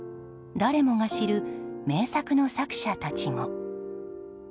誰もが知る名作の作者たちも。